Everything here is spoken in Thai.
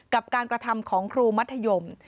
กับการกระทำของครูมัธยม